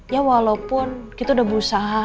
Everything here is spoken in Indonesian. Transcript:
ya walaupun kita udah berusaha